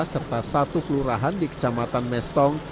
serta satu kelurahan di kecamatan mestong